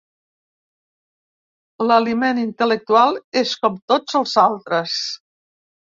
L'aliment intel·lectual és com tots els altres.